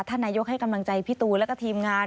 ท่านนายกให้กำลังใจพี่ตู๋และทีมงาน